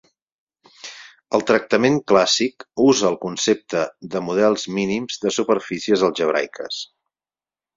El tractament clàssic usa el concepte de models mínims de superfícies algebraiques.